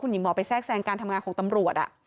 หญิงหมอไปแทรกแทรงการทำงานของตำรวจ